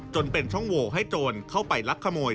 จนเป็นช่องโหวให้โจรเข้าไปลักขโมย